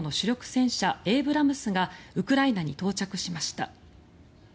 戦車エイブラムスがウクライナに到着しました。